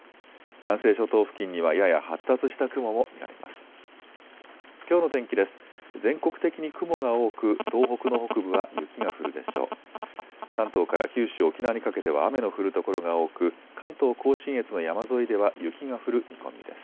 南西諸島付近にはやや発達した雲も見られます。